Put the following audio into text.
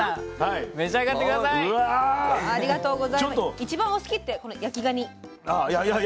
一番お好きってこの焼きがに。